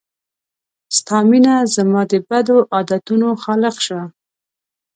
ستا مينه زما د بدو عادتونو خالق شوه